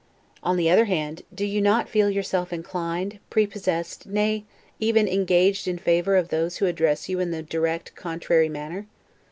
On the other hand, do you not feel yourself inclined, prepossessed, nay, even engaged in favor of those who address you in the direct contrary manner?